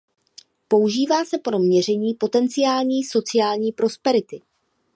Používá se pro měření potenciální sociální prosperity.